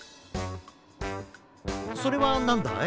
それはなんだい？